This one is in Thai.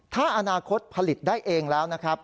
ถ้าอนาคตผลิตได้เองแล้วนะครับ